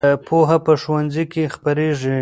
پوهه په ښوونځي کې خپرېږي.